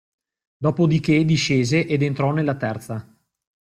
Dopodiché discese ed entrò nella terza.